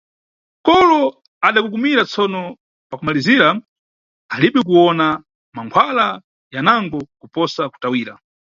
Kolo adakukumira, tsono pa kumalizira alibe kuwona mankhwala yanango kuposa kutawira.